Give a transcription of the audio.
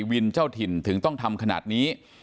วินเจ้าถิ่นถึงต้องทำขนาดนี้